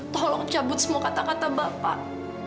tolong cabut semua kata kata bapak